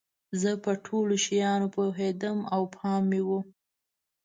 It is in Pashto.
زه په ټولو شیانو پوهیدم او پام مې و.